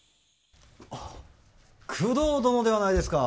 あっ工藤殿ではないですか。